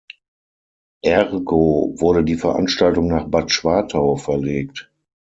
Ergo wurde die Veranstaltung nach "Bad Schwartau" verlegt.